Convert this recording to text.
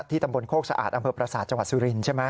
ตำบลโคกสะอาดอำเภอประสาทจังหวัดสุรินทร์ใช่ไหม